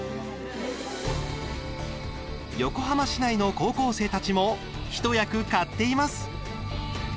横浜市内の高校生たちも一役買っています。